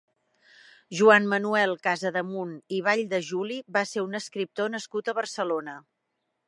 Joan Manuel Casademunt i Valldejuli va ser un escriptor nascut a Barcelona.